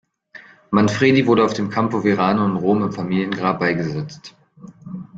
Manfredi wurde auf dem Campo Verano in Rom im Familiengrab beigesetzt.